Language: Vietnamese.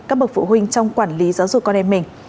các bậc phụ huynh trong quản lý giáo dục con em mình